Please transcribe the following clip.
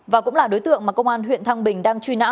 và cũng là đối tượng mà công an huyện thăng bình đang truy nã